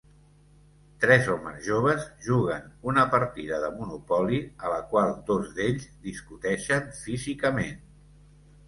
Tres homes joves juguen una partida de Monopoly a la qual dos d'ells discuteixen físicament.